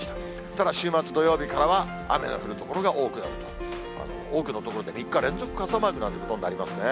ただ、週末土曜日からは雨の降る所が多くなると、多くの所で、３日連続傘マークなんて所ありますね。